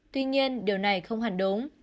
tuy nhiên điều này không hẳn đúng